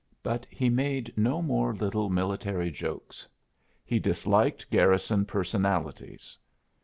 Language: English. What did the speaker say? But he made no more little military jokes; he disliked garrison personalities.